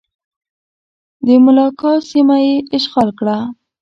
د ملاکا سیمه یې اشغال کړه.